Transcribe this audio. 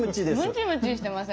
ムチムチしてません？